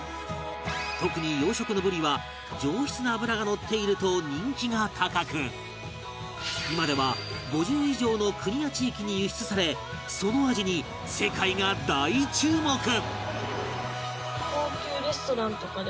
特に養殖のブリは上質な脂が乗っていると人気が高く今では５０以上の国や地域に輸出されその味に世界が大注目